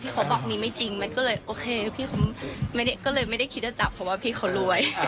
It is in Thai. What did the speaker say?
พี่เค้าบอกมีไม่จริงมันก็เลยโอเคพี่เค้าไม่ได้คิดจะจับเพราะว่าพี่เค้ารวย